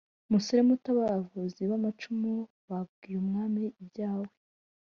musore muto abavuzi bamacumu babwiye umwami ibyawe